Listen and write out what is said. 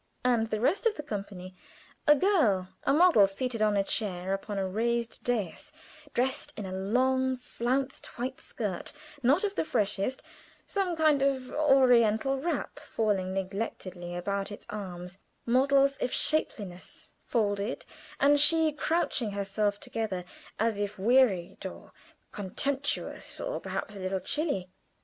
And the rest of the company a girl, a model, seated on a chair upon a raised dais, dressed in a long, flounced white skirt, not of the freshest, some kind of Oriental wrap falling negligently about it arms, models of shapeliness, folded, and she crouching herself together as if wearied, or contemptuous, or perhaps a little chilly.